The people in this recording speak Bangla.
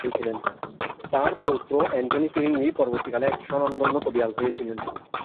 তাঁর পৌত্র অ্যান্টনি ফিরিঙ্গি পরবর্তীকালে এক স্বনামধন্য কবিয়াল হয়েছিলেন।